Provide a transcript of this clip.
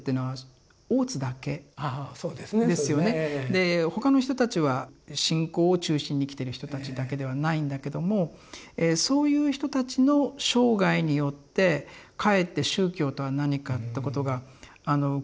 で他の人たちは信仰を中心に生きてる人たちだけではないんだけどもそういう人たちの生涯によってかえって宗教とは何かってことが浮かび上がってくる。